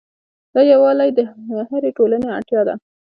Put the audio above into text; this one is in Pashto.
دا یووالی د هرې ټولنې اړتیا ده.